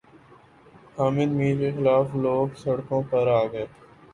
حامد میر کے خلاف لوگ سڑکوں پر آگۓ